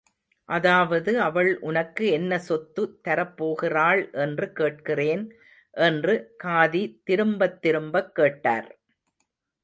அதாவது அவள் உனக்கு என்ன சொத்து தரப் போகிறாள் என்று கேட்கிறேன் என்று காதி திரும்பத் திரும்பக் கேட்டார்.